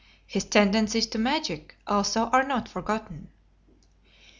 His tendencies to magic also are not forgotten.